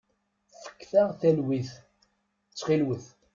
Fket-aɣ talwit, ttxilwet!